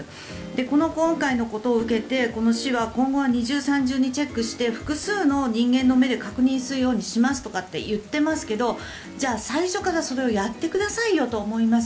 この今回のことを受けて市は今後は二重、三重にチェックして複数の人間の目で確認するようにしますとかって言ってますけどじゃあ最初からそれをやってくださいよと思います。